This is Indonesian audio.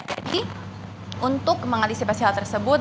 jadi untuk mengantisipasi hal tersebut